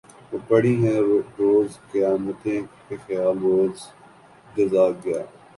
وہ پڑی ہیں روز قیامتیں کہ خیال روز جزا گیا